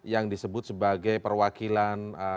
yang disebut sebagai perwakilan